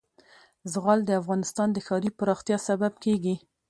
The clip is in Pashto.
زغال د افغانستان د ښاري پراختیا سبب کېږي.